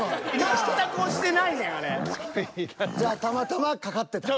じゃあたまたまかかってた。